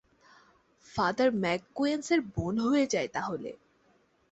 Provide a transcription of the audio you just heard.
Father McGuinness এর বোন হয়ে যায় তাহলে!